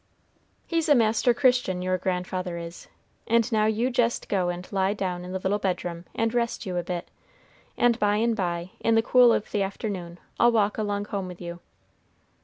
He's a master Christian, your grandfather is; and now you jest go and lie down in the little bedroom, and rest you a bit, and by and by, in the cool of the afternoon, I'll walk along home with you."